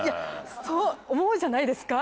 そう思うじゃないですか。